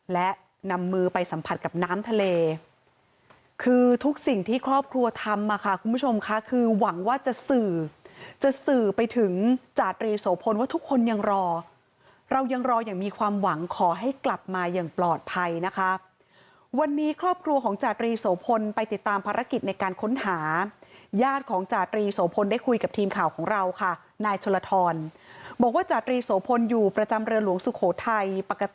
และนำมือไปสัมผัสกับน้ำทะเลคือทุกสิ่งที่ครอบครัวทำมาค่ะคุณผู้ชมค่ะคือหวังว่าจะสื่อจะสื่อไปถึงจาตรีโสพลว่าทุกคนยังรอเรายังรออย่างมีความหวังขอให้กลับมาอย่างปลอดภัยนะคะวันนี้ครอบครัวของจาตรีโสพลไปติดตามภารกิจในการค้นหาญาติของจาตรีโสพลได้คุยกับทีมข่าวของเราค่ะนายชลทรบอกว่าจาตรีโสพลอยู่ประจำเรือหลวงสุโขทัยปกติ